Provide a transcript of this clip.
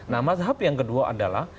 nah mazhab yang kedua adalah